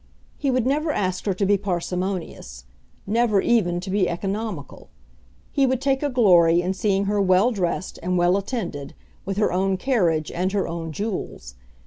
He would never ask her to be parsimonious, never even to be economical. He would take a glory in seeing her well dressed and well attended, with her own carriage and her own jewels.